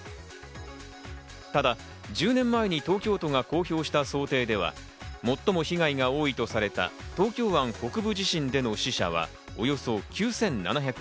ただ１０年前に東京都が公表した想定では、最も被害が多いとされた東京湾北部地震での死者は、およそ９７００人。